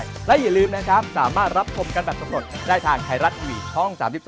ใช่ค่ะอยากไปพิสูจน์ความอร่อยก็ตามไปได้เลยจ้า